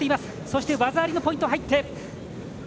そして技ありのポイント入って。